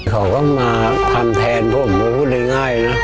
เขาก็มาทำแทนผมก็พูดง่ายนะ